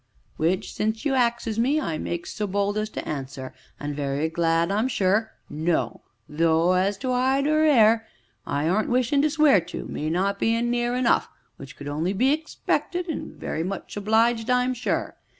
"W'ich, since you axes me, I makes so bold as to answer an' very glad I'm sure no; though as to 'ide an' 'air, I aren't wishin' to swear to, me not bein' near enough w'ich could only be expected, an' very much obliged, I'm sure."